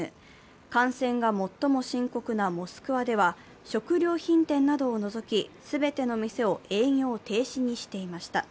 感染が最も深刻なモスクワでは、食料品店などを除き全ての店を営業停止にしていました。